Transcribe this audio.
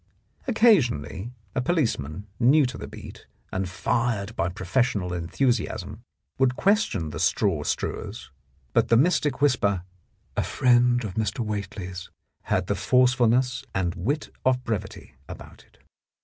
Occasional lv a policeman, new to the beat and fired by professional enthusiasm, would question the straw The Blackmailer of Park Lane strewers, but the mystic whisper, "A friend of Mr. .Whately 's," had the forcefulness and wit of brevity about it.